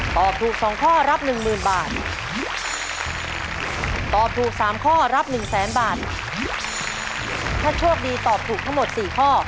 ถ้าช่วงดีตอบถูกทั้งหมดสี่ข้อ